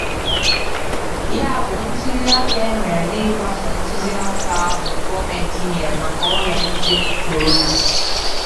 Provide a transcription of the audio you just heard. Ya bụ ntụliaka e mere n'ịgbasò ntụziaka ahụ gọọmenti nyere maka ọrịa nje korona